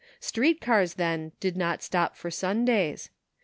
Street cars, then, did not stop for Sundays.